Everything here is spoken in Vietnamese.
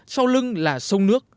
sau lưng là sông nước